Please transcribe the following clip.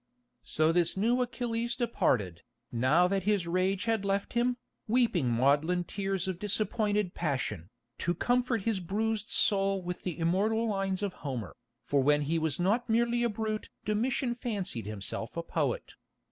So this new Achilles departed, now that his rage had left him, weeping maudlin tears of disappointed passion, to comfort his "bruised soul" with the immortal lines of Homer, for when he was not merely a brute Domitian fancied himself a poet.